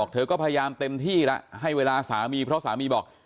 เธอก็พยายามเต็มที่แล้วให้เวลาสามีเพราะสามีบอก